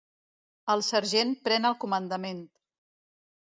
El sergent pren el comandament.